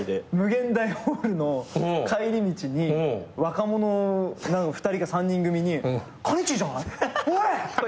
∞ホールの帰り道に若者２人か３人組に「かねちーじゃない！？おい！」